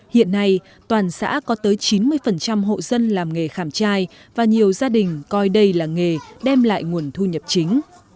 hiện nay toàn xã có tới chín mươi hộ dân làm nghề khảm trai và nhiều gia đình coi đây là nghề đem lại nguồn thu nhập chính